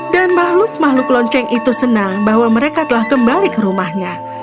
dan makhluk makhluk lonceng itu senang bahwa mereka telah kembali ke rumahnya